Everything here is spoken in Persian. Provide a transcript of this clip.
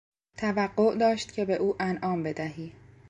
توقع داشت که به او انعام بدهی.